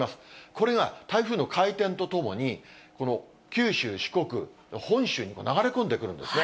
これが台風の回転とともに、九州、四国、本州に流れ込んでくるんですね。